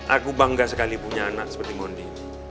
aku bangga sekali punya anak seperti mondi